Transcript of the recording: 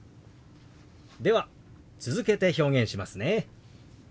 では続けて表現しますね。